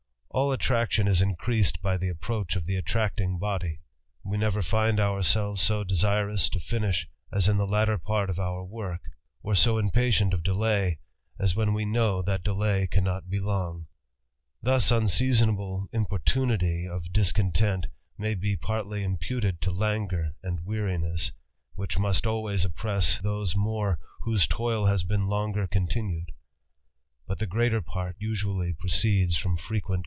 All attraction is increased by the approadi oT attracting body. We never find ourselves so desiron THE RAMBLER. 209 finish, as in the latter part of our work, or so impatient of delay, as when we know that delay cannot be long. Thus_ inseasona ble impo rtunity of dis content may be partly g puted To^ laagufli: anH^JJ^arin^gg^ whirh must always oppress those more whose toil has been longer continued ; >ut the gre ater part usually proceeds from . frequent.